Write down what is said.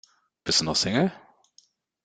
Bist du noch Single?